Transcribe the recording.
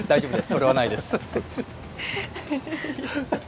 それはないです。